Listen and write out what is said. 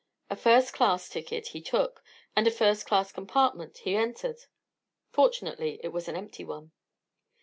A first class ticket he took, and a first class compartment he entered. Fortunately it was an empty one.